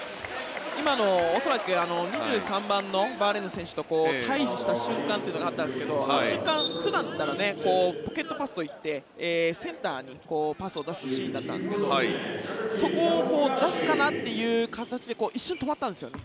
今の恐らく２３番のバーレーンの選手と対峙した瞬間というのがあったんですけど瞬間、普段だったらポケットパスといってセンターにパスを出すシーンだったんですがそこを出すかな？という形で一瞬止まったんですよね。